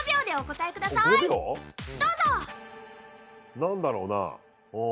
何だろうなぁ。